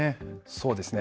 そうですね。